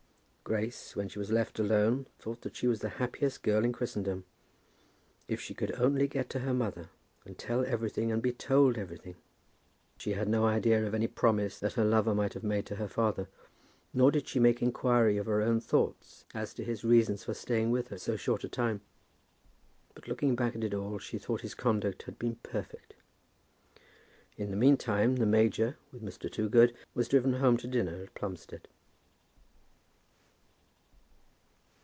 Grace, when she was left alone, thought that she was the happiest girl in Christendom. If she could only get to her mother, and tell everything, and be told everything! She had no idea of any promise that her lover might have made to her father, nor did she make inquiry of her own thoughts as to his reasons for staying with her so short a time; but looking back at it all she thought his conduct had been perfect. In the meantime the major, with Mr. Toogood, was driven home to dinner at Plumstead.